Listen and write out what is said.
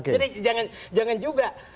jadi jangan juga